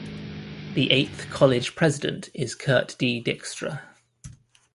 The eighth college president is Kurt D. Dykstra.